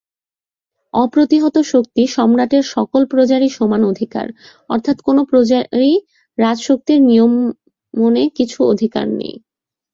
অপ্রতিহতশক্তি সম্রাটের সকল প্রজারই সমান অধিকার অর্থাৎ কোন প্রজারই রাজশক্তির নিয়মনে কিছুমাত্র অধিকার নাই।